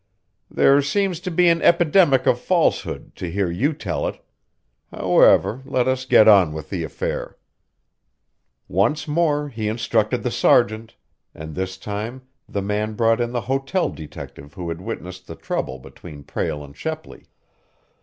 "There seems to be an epidemic of falsehood, to hear you tell it. However, let us get on with the affair." Once more he instructed the sergeant, and this time the man brought in the hotel detective who had witnessed the trouble between Prale and Shepley.